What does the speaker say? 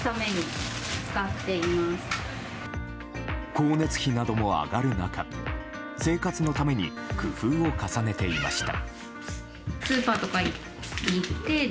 光熱費なども上がる中生活のために工夫を重ねていました。